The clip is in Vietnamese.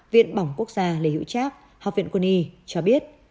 viện bỏng quốc gia lê hữu trác học viện quân y cho biết